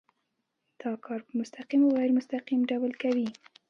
دا کار په مستقیم او غیر مستقیم ډول کوي.